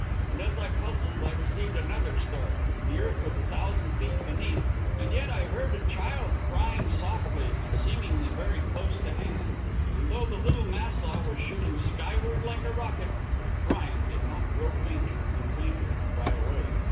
And as I puzzled, I received another start. The earth was a thousand feet beneath, and yet I heard a child crying softly, and seemingly very close to hand. And though the "Little Nassau" was shooting skyward like a rocket, the crying did not grow fainter and fainter and die away.